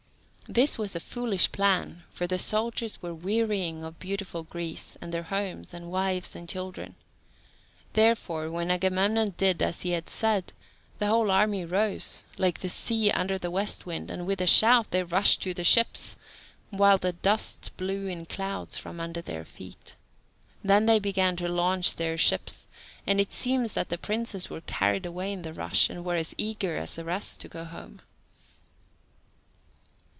This was a foolish plan, for the soldiers were wearying for beautiful Greece, and their homes, and wives and children. Therefore, when Agamemnon did as he had said, the whole army rose, like the sea under the west wind, and, with a shout, they rushed to the ships, while the dust blew in clouds from under their feet. Then they began to launch their ships, and it seems that the princes were carried away in the rush, and were as eager as the rest to go home.